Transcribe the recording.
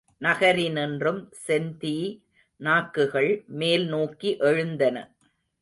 நகரினின்றும் செந்தீ நாக்குகள் மேல் நோக்கி எழுந்தன.